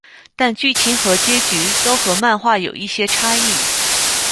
但剧情和结局都和漫画有一些差异。